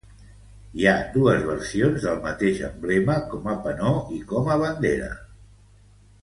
Hi ha dues versions del mateix emblema: com a penó i com a bandera.